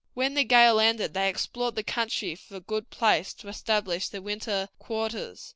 When the gale ended they explored the country for a good place to establish their winter quarters.